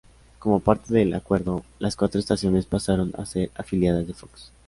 Como parte del acuerdo, las cuatro estaciones pasaron a ser afiliadas de Fox.